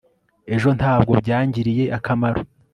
ejo ntabwo byangiriye akamaro